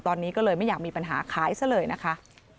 ตอนนี้ก็เลยไม่อยากมีปัญหาขายซะเลยนะคะ